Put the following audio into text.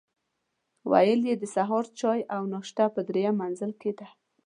ویل یې د سهار چای او ناشته په درېیم منزل کې ده.